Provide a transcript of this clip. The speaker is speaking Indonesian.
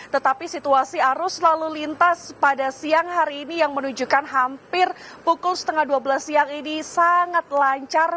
tetapi situasi arus lalu lintas pada siang hari ini yang menunjukkan hampir pukul setengah dua belas siang ini sangat lancar